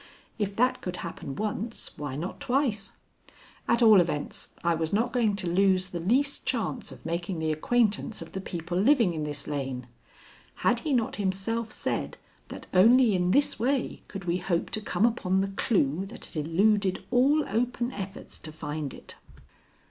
If that could happen once, why not twice? At all events, I was not going to lose the least chance of making the acquaintance of the people living in this lane. Had he not himself said that only in this way could we hope to come upon the clue that had eluded all open efforts to find it?